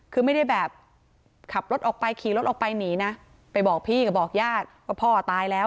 คือไม่ได้แบบขับรถออกไปขี่รถออกไปหนีนะไปบอกพี่ก็บอกญาติว่าพ่อตายแล้ว